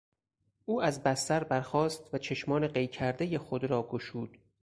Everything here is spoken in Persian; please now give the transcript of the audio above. او از بستر برخاست و چشمان قی کردهی خود را گشود.